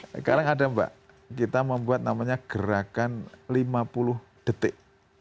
sekarang ada mbak kita membuat namanya gerakan lima puluh detik